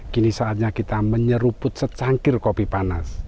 kita harus menyeruput secangkir kopi panas